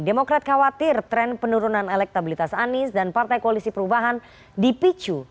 demokrat khawatir tren penurunan elektabilitas anies dan partai koalisi perubahan dipicu